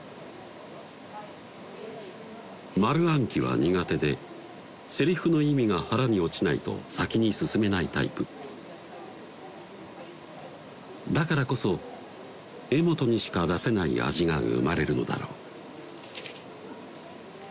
丸暗記は苦手で台詞の意味が腹に落ちないと先に進めないタイプだからこそ柄本にしか出せない味が生まれるのだろう